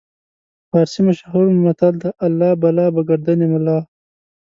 فارسي مشهور متل دی: الله بلا به ګردن ملا.